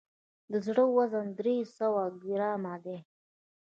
د زړه وزن درې سوه ګرامه دی.